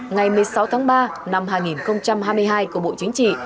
ngày một mươi sáu tháng ba năm hai nghìn hai mươi hai của bộ chính trị